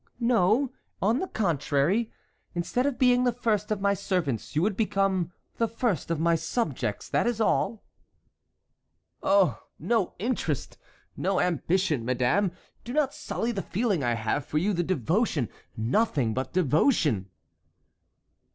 "No, on the contrary. Instead of being the first of my servants, you would become the first of my subjects, that is all." "Oh! no interest—no ambition, madame—do not sully the feeling I have for you—the devotion, nothing but devotion!"